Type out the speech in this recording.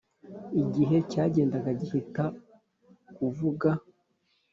igihe cyagendaga gihita kuvuga